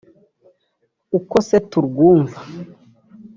uko se turwumva